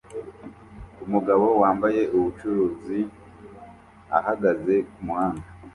Umugabo wambaye ubucuruzi ahagaze kumuhanda